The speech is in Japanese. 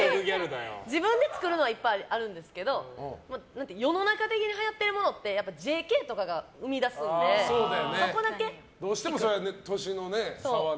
自分で作るのはいっぱいあるんですけど世の中的に、はやってるものってＪＫとかがどうしてもそれは年の差はね。